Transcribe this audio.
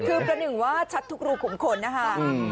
คือเพื่อนหนึ่งว่าชัดทุกรูขุมขนนะคะอืม